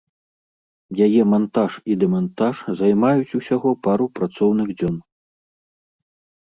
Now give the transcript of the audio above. Яе мантаж і дэмантаж займаюць усяго пару працоўных дзён.